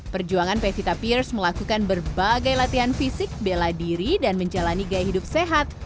perjuangan pevita pierce melakukan berbagai latihan fisik bela diri dan menjalani gaya hidup sehat